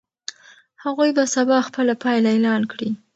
هغوی به سبا خپله پایله اعلان کړي.